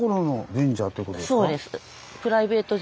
そうです。